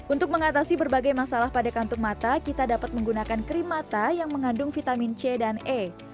untuk mengatasi berbagai masalah pada kantung mata kita dapat menggunakan krim mata yang mengandung vitamin c dan e